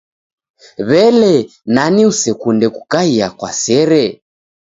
W'ele nani usekunde kukaia kwa sere?